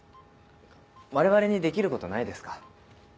我々にできることないですか？